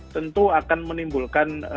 tentu akan menimbulkan